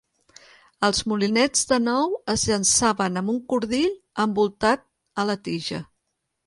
Els molinets de nou es llançaven amb un cordill envoltat a la tija.